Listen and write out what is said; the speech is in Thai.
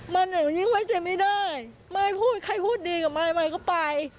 มันหนูยิ่งไว้ใจไม่ได้มายพูดใครพูดดีกับมายมายก็ไป